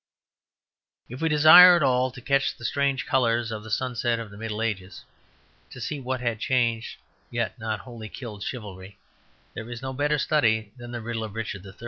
If we desire at all to catch the strange colours of the sunset of the Middle Ages, to see what had changed yet not wholly killed chivalry, there is no better study than the riddle of Richard III.